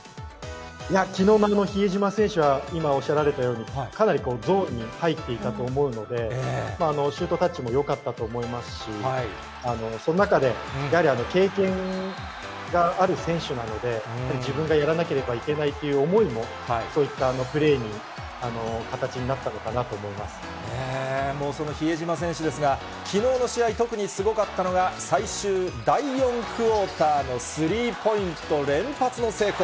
きのうの比江島選手は、今おっしゃられたように、かなりゾーンに入っていたと思うので、シュートタッチもよかったと思いますし、その中でやはり経験がある選手なので、自分がやらなければいけないという思いも、そういったプレーに、その比江島選手ですが、きのうの試合、特にすごかったのが、最終、第４クオーターのスリーポイント連発の成功。